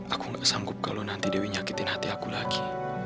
aku gak sanggup kalau nanti dewi nyakitin hati aku lagi